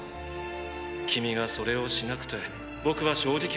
君がそれをしなくて僕は正直ホッとした。